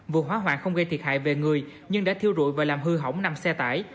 vụ hỏa hoạn không gây thiệt hại về người nhưng đã thiêu rụi và làm hư hỏng năm xe tải